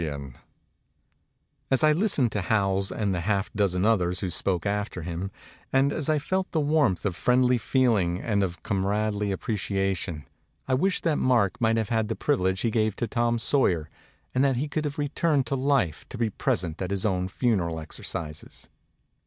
293 MEMORIES OF MARK TWAIN As I listened to Howells and to the half dozen others who spoke after him, and as I felt the warmth of friendly feeling and of comradely appreciation, I wished that Mark might have had the privilege he gave Tom Sawyer and that he could have returned to life to be present at his own funeral exercises.